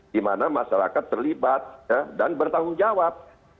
di mana masyarakat terlibat dan bertanggung jawab